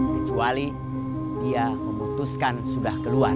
kecuali dia memutuskan sudah keluar